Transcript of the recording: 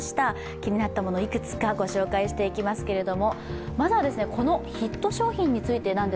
気になったもの、いくつかご紹介していきますけれども。